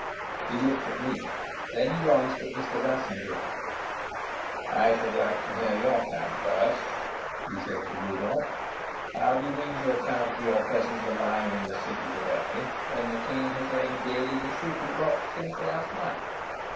He looked at me, then glanced at Mr. Rassendyll. "I should like to hear your plan first," he said to Rudolf. "How do you mean to account for your presence alive in the city to day, when the king has lain dead in the shooting box since last night?"